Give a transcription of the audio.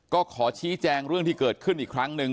ก็ขอชี้แจงเรื่องที่เกิดขึ้นอีกครั้งหนึ่ง